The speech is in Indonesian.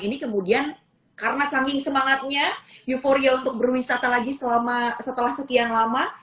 ini kemudian karena saking semangatnya euforia untuk berwisata lagi setelah sekian lama